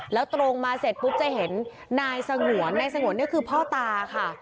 แล้วตรงมาเสร็จปุ๊บจะเห็นนายสงวนนายสงวนเนี่ยคือพ่อตาค่ะ